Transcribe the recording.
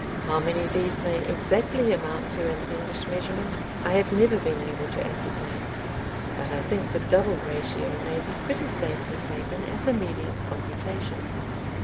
How many these may exactly amount to in English measurement, I have never been able to ascertain, but I think the double ratio may be pretty safely taken as a medium computation.